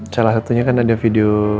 salah satunya kan ada video